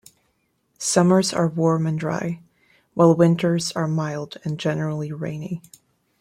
Summers are warm and dry, while winters are mild and generally rainy.